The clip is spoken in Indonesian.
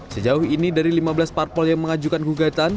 sejauh ini dari lima belas parpol yang mengajukan gugatan